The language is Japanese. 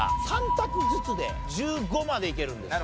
３択ずつで１５までいけるんです。